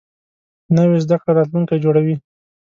نوې زده کړه راتلونکی جوړوي